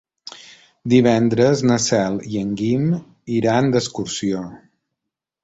Divendres na Cel i en Guim iran d'excursió.